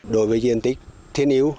đối với diện tích thiên yêu